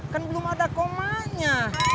kan belum ada komanya